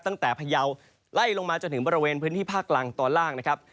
ตั้งแต่พยาวไล่ลงมาจนถึงบริเวณพื้นที่ภาคกลางตอนล่างนะครับ